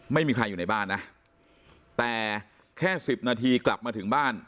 ไม่มีใครอยู่ในบ้านนะแต่แค่สิบนาทีกลับมาถึงบ้าน